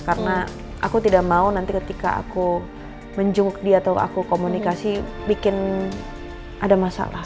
karena aku tidak mau nanti ketika aku menjungkuk dia atau aku komunikasi bikin ada masalah